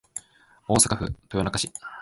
大阪府豊中市